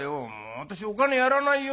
私お金やらないよ。